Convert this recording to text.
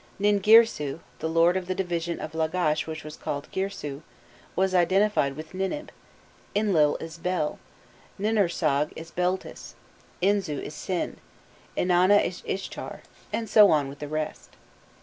Ningirsu, the lord of the division of Lagash which was called Girsu, was identified with Ninib; Inlil is Bel, Ninursag is Beltis, Inzu is Sin, Inanna is Ishtar, and so on with the rest.